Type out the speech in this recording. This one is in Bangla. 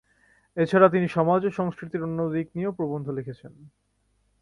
এছাড়া তিনি সমাজ ও সংস্কৃতির অন্যান্য দিক নিয়েও প্রবন্ধ লিখেছেন।